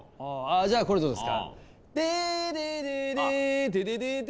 じゃあこれどうですか？